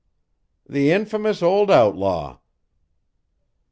"The infamous old outlaw!"